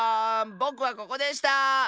ぼくはここでした！